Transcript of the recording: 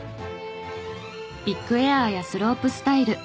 ビッグエアやスロープスタイル。